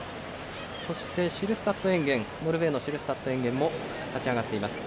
ノルウェーのシルスタッドエンゲンも立ち上がっています。